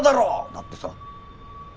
だってさ。